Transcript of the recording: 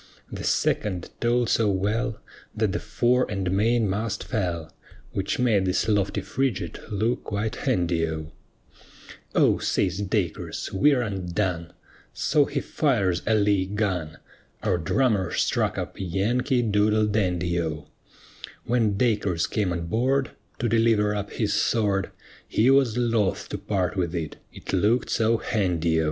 The second told so well That the fore and main mast fell, Which made this lofty frigate look quite handy O. "O," says Dacres, "we're undone," So he fires a lee gun. Our drummer struck up "Yankee Doodle Dandy" O; When Dacres came on board To deliver up his sword, He was loth to part with it, it looked so handy O.